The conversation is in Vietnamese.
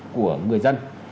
của người dân